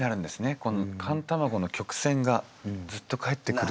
この寒卵の曲線がずっとかえってくる。